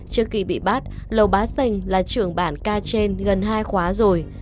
trước khi bị bắt lầu bá sành là trường bản ca trên gần hai khóa rồi